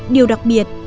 điều đặc biệt